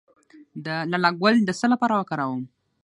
د لاله ګل د څه لپاره وکاروم؟